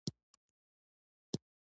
دا نه پر شا کېدونکي ګامونه وو.